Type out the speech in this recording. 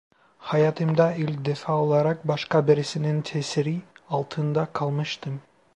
Hayatımda ilk defa olarak başka birisinin tesiri altında kalmıştım.